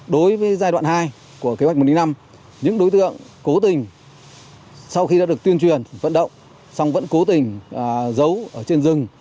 đối với giai đoạn hai của kế hoạch một trăm linh năm những đối tượng cố tình sau khi đã được tuyên truyền vận động song vẫn cố tình giấu ở trên rừng